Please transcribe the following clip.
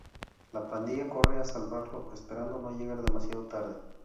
La pandilla corre a salvarlo, esperando no llegar demasiado tarde.